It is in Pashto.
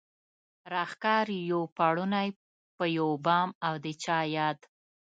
راښکاري يو پړونی په يو بام او د چا ياد